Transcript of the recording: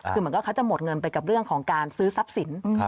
คือเหมือนกับเขาจะหมดเงินไปกับเรื่องของการซื้อทรัพย์สิน